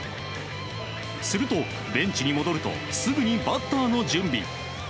するとベンチに戻るとすぐにバッターの準備。